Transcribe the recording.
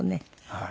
はい。